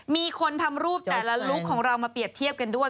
มีคนทำรูปแต่ละลุคของเรามาเปรียบเทียบกันด้วย